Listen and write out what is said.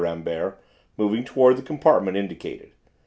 Rambert, moving towards the compartment indicated.